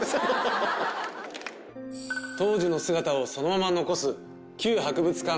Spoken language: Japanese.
当時の姿をそのまま残す旧博物館動物園駅。